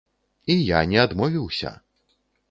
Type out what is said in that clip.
І я не адмовіўся!